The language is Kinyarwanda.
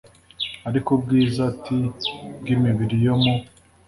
ariko ubwiza t bw imibiri yo mu